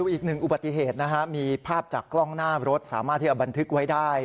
อีกหนึ่งอุบัติเหตุนะฮะมีภาพจากกล้องหน้ารถสามารถที่จะบันทึกไว้ได้